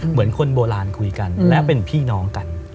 เหมือนคนโบราณคุยกันและเป็นพี่น้องกัน